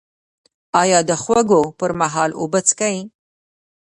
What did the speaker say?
ایا د خوړو پر مهال اوبه څښئ؟